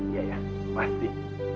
ya ya pasti